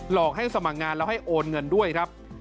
อกให้สมัครงานแล้วให้โอนเงินด้วยครับ